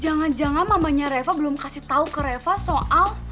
jangan jangan namanya reva belum kasih tahu ke reva soal